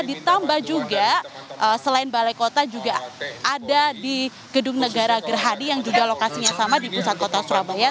ditambah juga selain balai kota juga ada di gedung negara gerhadi yang juga lokasinya sama di pusat kota surabaya